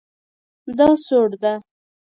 دا سوړ ده